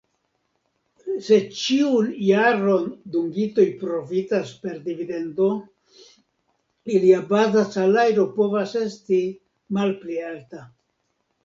Se ĉiun jaron dungitoj profitas per dividendo, ilia baza salajro povas esti malpli alta.